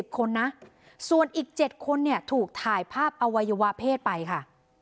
คนนะส่วนอีก๗คนเนี่ยถูกถ่ายภาพอวัยวะเพศไปค่ะ